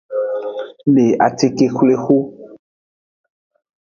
Le acikexwlexu.